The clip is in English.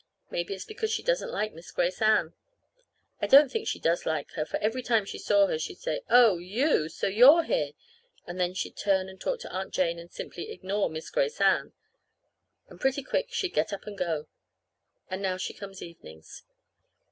Maybe it's because she doesn't like Miss Grace Ann. I don't think she does like her, for every time she saw her, she'd say: "Oh, you? So you're here!" And then she'd turn and talk to Aunt Jane and simply ignore Miss Grace Ann. And pretty quick she'd get up and go. And now she comes evenings.